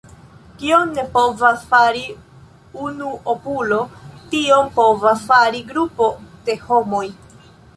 Kion ne povas fari unuopulo, tion povas fari grupo de homoj.